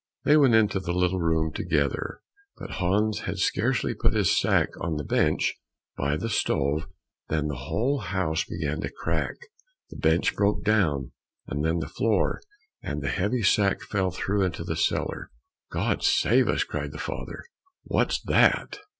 They went into the little room together, but Hans had scarcely put his sack on the bench by the stove, than the whole house began to crack the bench broke down and then the floor, and the heavy sack fell through into the cellar. "God save us!" cried the father, "what's that?